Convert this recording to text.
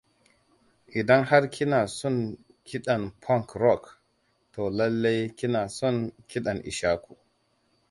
Idan har kina son kiɗan punk rock, to lallai kina son kiɗan Ishaku.